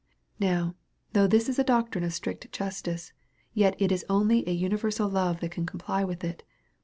Now though this is a doctrine of strict justice, yet it is only an universal love that can comply with it.